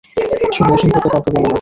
শোন, এসম্পর্কে কাউকে বলো না।